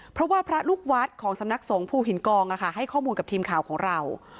เพราะว่าพระลูกวัดของสำนักสงภูหินกองให้ข้อมูลกับทีมข่าวของเรา